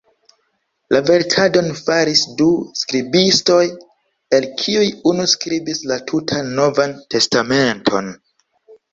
La verkadon faris du skribistoj, el kiuj unu skribis la tutan Novan Testamenton.